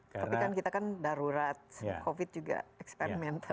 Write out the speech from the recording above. tapi kan kita kan darurat covid juga eksperimental